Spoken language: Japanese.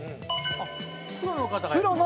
あっプロの方がやって。